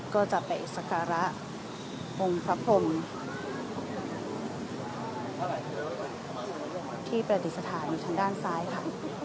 ก็จะไปสการะองค์พระพรมที่ประดิษฐานอยู่ทางด้านซ้ายค่ะ